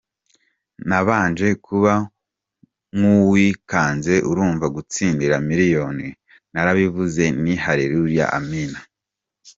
Nabanje kuba nk’uwikanze urumva gutsindira miliyoni, narabivuze nti Haleluya Amina.